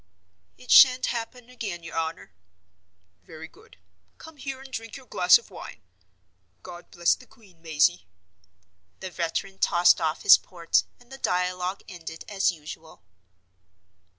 "It shan't happen again, your honor." "Very good. Come here, and drink your glass of wine. God bless the Queen, Mazey." The veteran tossed off his port, and the dialogue ended as usual.